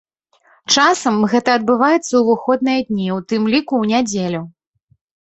Часам гэта адбываецца ў выходныя дні, у тым ліку ў нядзелю.